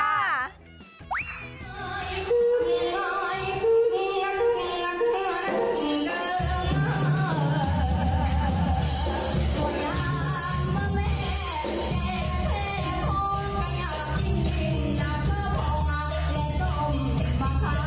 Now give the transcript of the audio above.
สวัสดีครับ